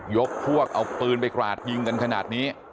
ยกพวกเอาปืนไปกราดยิงกันขนาดนี้